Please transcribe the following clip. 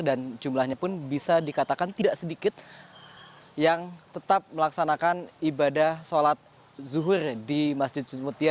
dan jumlahnya pun bisa dikatakan tidak sedikit yang tetap melaksanakan ibadah sholat zuhur di masjid jumatiyah